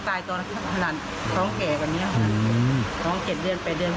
เพราะแม่เคยเป็นอย่างงี้